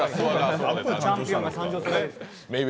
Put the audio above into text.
チャンピオンが誕生するわけですよ。